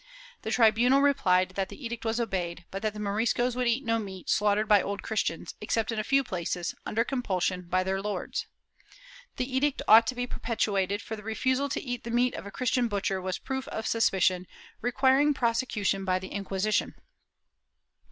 The tribunal replied that the edict was obeyed, but that the Moriscos would eat no meat slaughtered by Old Christians, except in a few places, under compulsion by their lords. The edict ought to be perpetuated, for the refusal to eat the meat of a Christian butcher was proof of suspicion, requiring prosecution by the Inquisition.